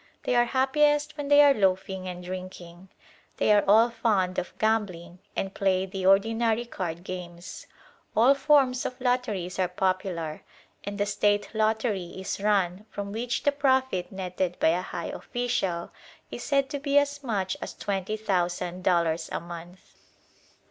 They are happiest when they are loafing and drinking. They are all fond of gambling, and play the ordinary card games. All forms of lotteries are popular, and a State lottery is run from which the profit netted by a high official is said to be as much as twenty thousand dollars a month.